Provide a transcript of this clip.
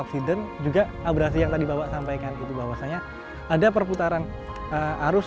banyak sekali ini mayoritas